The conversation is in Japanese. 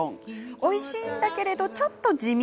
おいしいんだけれどちょっと地味。